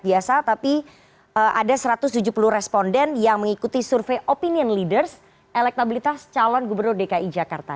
biasa tapi ada satu ratus tujuh puluh responden yang mengikuti survei opinion leaders elektabilitas calon gubernur dki jakarta